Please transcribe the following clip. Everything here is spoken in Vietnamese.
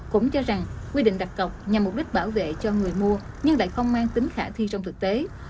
cũng cho rằng quy định đặt cọc nhằm mục đích bảo vệ cho người mua nhưng lại không mang tính khả thi trong thực tế